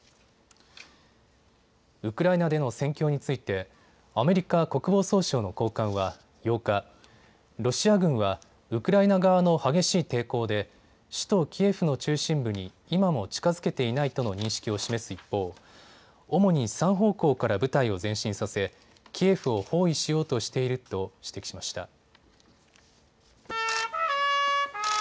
ウクライナでの戦況についてアメリカ国防総省の高官は８日、ロシア軍はウクライナ側の激しい抵抗で首都キエフの中心部に今も近づけていないとの認識を示す一方、主に３方向から部隊を前進させキエフを包囲しようとしていると指摘しました。